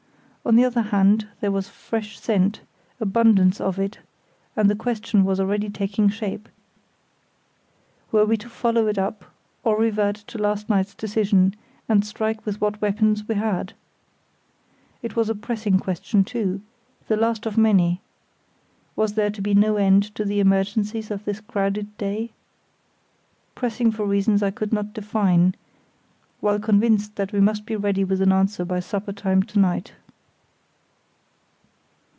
On the other hand, there was fresh scent, abundance of it; and the question was already taking shape—were we to follow it up or revert to last night's decision and strike with what weapons we had? It was a pressing question, too, the last of many—was there to be no end to the emergencies of this crowded day?—pressing for reasons I could not define, while convinced that we must be ready with an answer by supper time to night.